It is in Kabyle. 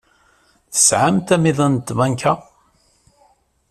Tesɛamt amiḍan n tbanka?